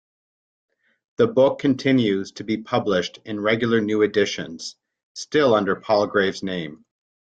The book continues to be published in regular new editions; still under Palgrave's name.